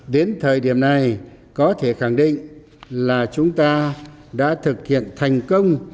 đến thời điểm này có thể khẳng định là chúng ta đã thực hiện thành công